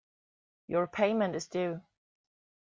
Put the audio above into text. Your payment is due.